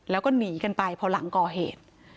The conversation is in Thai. แล้วก็หนีกันไปพอหลังก่อเหตุ